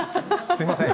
すみません。